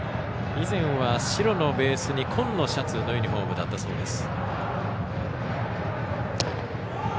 以前は白のベースに紺のシャツのユニフォームだったそうです。